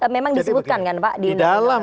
memang disebutkan kan pak di undang undang